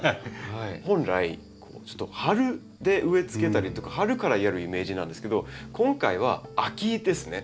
本来春で植えつけたりとか春からやるイメージなんですけど今回は秋ですね。